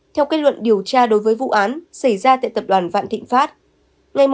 theo kết luận điều tra đối với vụ án xảy ra tại tập đoàn vạn thịnh pháp